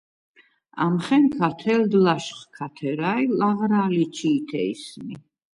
ამხენქა თელდ ლა̄შხ ქა თერა ი ლაღრა̄ლი̄ ჩი̄თე ისმი.